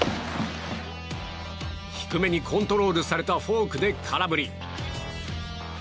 低めにコントロールされたフォークで空振り。